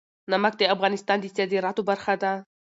نمک د افغانستان د صادراتو برخه ده.